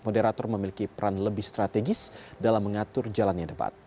moderator memiliki peran lebih strategis dalam mengatur jalannya debat